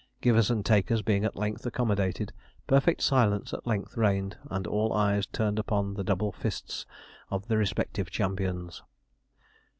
Givers and takers being at length accommodated, perfect silence at length reigned, and all eyes turned upon the double fists of the respective champions.